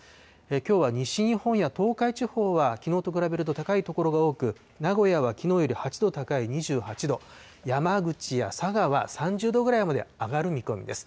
きょうは西日本や東海地方はきのうと比べると高い所が多く、名古屋はきのうより８度高い２８度、山口や佐賀は３０度ぐらいまで上がる見込みです。